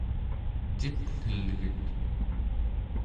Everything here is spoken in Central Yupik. cipnelget